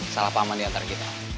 salah paman diantara kita